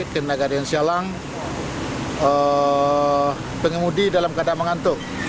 ketika di jalang pengumudi dalam keadaan mengantuk